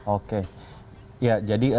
oke ya jadi